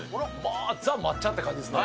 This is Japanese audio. ザ・抹茶って感じですね。